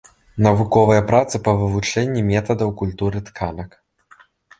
Навуковыя працы па вывучэнні метадаў культуры тканак.